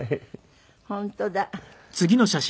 本当だ。